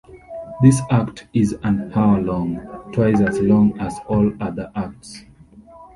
This act is an hour long, twice as long as all the other acts.